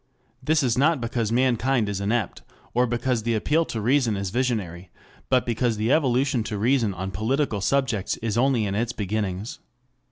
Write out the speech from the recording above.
This is not because mankind is inept, or because the appeal to reason is visionary, but because the evolution of reason on political subjects is only in its beginnings.